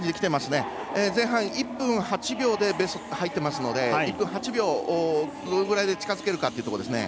前半、１分８秒で入っていますので１分８秒にどのくらい近づけるかですね。